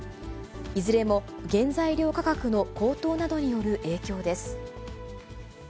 いずれも原材料価格の高騰などによる影響です。